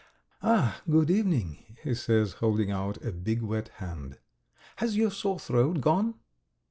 "Ah, good evening!" he says, holding out a big wet hand. "Has your sore throat gone?"